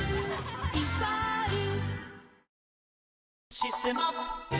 「システマ」